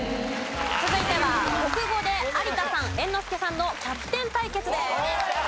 続いては国語で有田さん猿之助さんのキャプテン対決です。